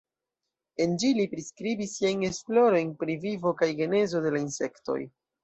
En ĝi li priskribis siajn esplorojn pri vivo kaj genezo de la insektoj.